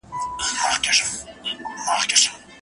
د سفر په بهير کي ملګري څه درته وويل؟